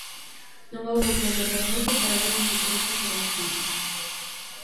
Non houbo que agardar moito para ver as diferentes reaccións.